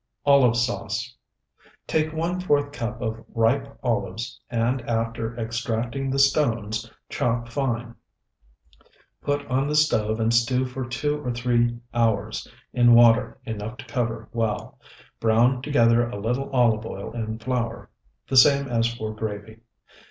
OLIVE SAUCE Take one fourth cup of ripe olives, and after extracting the stones, chop fine. Put on the stove and stew for two or three hours in water enough to cover well. Brown together a little olive oil and flour, the same as for gravy.